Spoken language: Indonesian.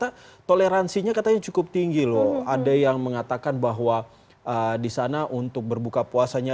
informasinya katanya cukup tinggi loh ada yang mengatakan bahwa disana untuk berbuka puasanya